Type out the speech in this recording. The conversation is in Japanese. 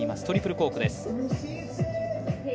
トリプルコークです。